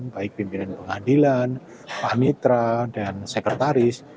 baik pimpinan pengadilan pamitra dan sekretaris